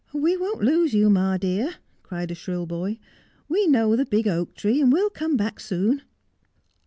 ' "We won't lose you, ma dear,' cried a shrill boy ;' we know the big oak tree, and we'll come back soon.'